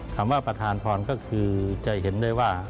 คำว่าประธานพรก็คือจะเห็นได้ว่า